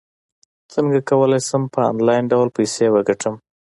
څنګه کولی شم په انلاین ډول پیسې وګټم